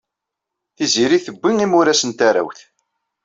Tiziri tuwey imuras n tarrawt.